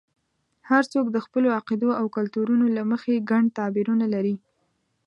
هر څوک د خپلو عقیدو او کلتورونو له مخې ګڼ تعبیرونه لري.